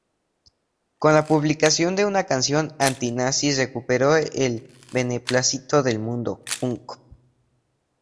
Con la publicación de una canción anti-nazi, recuperó el beneplácito del mundo "punk".